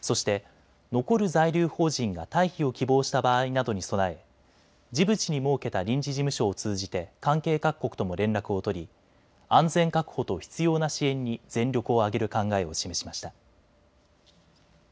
そして残る在留邦人が退避を希望した場合などに備えジブチに設けた臨時事務所を通じて関係各国とも連絡を取り安全確保と必要な支援に全力を挙げる考えを示しました。